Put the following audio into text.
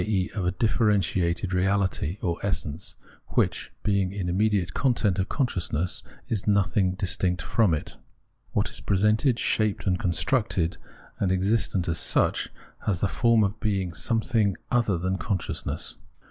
e. of a differentiated reality or essence, which, being an immediate content of consciousness, is nothing distinct from it. What is presented, shaped and constructed, and existent as such, has the form of being something other than consciousness.